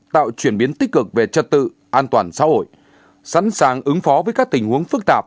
tạo chuyển biến tích cực về trật tự an toàn xã hội sẵn sàng ứng phó với các tình huống phức tạp